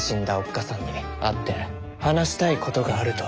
母さんに会って話したいことがあると。